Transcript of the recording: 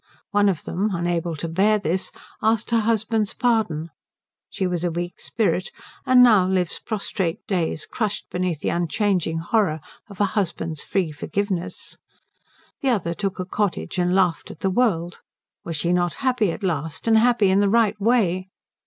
One of them, unable to bear this, asked her husband's pardon. She was a weak spirit, and now lives prostrate days, crushed beneath the unchanging horror of a husband's free forgiveness. The other took a cottage and laughed at the world. Was she not happy at last, and happy in the right way?